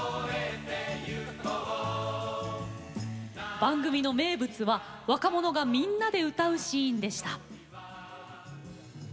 番組の名物は若者がみんなで歌うシーンでした。